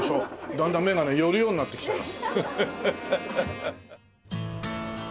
だんだん目が寄るようになってきたの。